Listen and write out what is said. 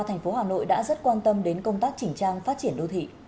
hà nội đã rất quan tâm đến công tác chỉnh trang phát triển đô thị